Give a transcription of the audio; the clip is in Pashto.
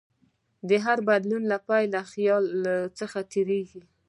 د هر بدلون پیل له خیال څخه کېږي.